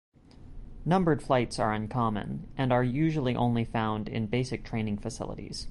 Numbered flights are uncommon, and are usually only found in basic training facilities.